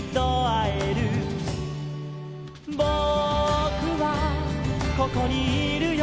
「ぼくはここにいるよ」